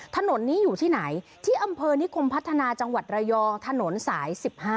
ถนนนี้อยู่ที่ไหนที่อำเภอนิคมพัฒนาจังหวัดระยองถนนสาย๑๕